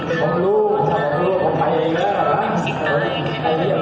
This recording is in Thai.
กลับมือมาเพื่อนกลัวสิ่งที่ตายแค่นี้